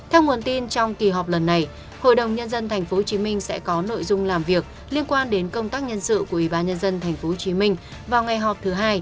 theo nguồn tin trong kỳ họp lần này hội đồng nhân dân tp hcm sẽ có nội dung làm việc liên quan đến công tác nhân sự của ubnd tp hcm vào ngày họp thứ hai